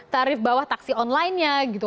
tarif bawah taksi onlinenya gitu